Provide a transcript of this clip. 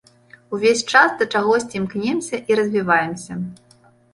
Увесь час да чагосьці імкнёмся і развіваемся.